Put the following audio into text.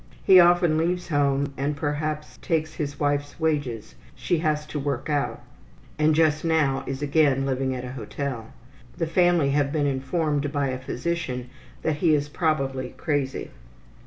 He often leaves home and perhaps takes his wife's wages she has to work out and just now is again living at a hotel. The family have been informed by a physician that he is probably crazy.